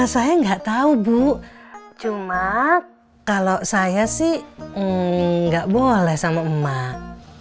saya nggak tahu bu cuma kalau saya sih nggak boleh sama emak